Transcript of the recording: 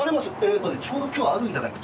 ちょうど今日あるんじゃないか。